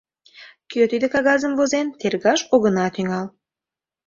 Кӧ тиде кагазым возен — тергаш огына тӱҥал.